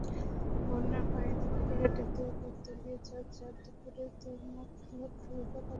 বন্যার পানিতে ফেরিঘাটের দুই পাড় তলিয়ে যাওয়ায় চাঁদপুরের মতলব ফেরিঘাট অচল হয়ে পড়েছে।